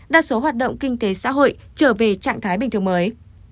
đa số hoạt động kinh tế xã hội trở về trạng thái bình thường mới